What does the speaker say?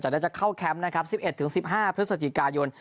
แต่น่าจะเข้าแคมป์นะครับ๑๑๑๕พฤศจิกายน